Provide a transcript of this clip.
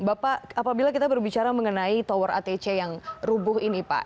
bapak apabila kita berbicara mengenai tower atc yang rubuh ini pak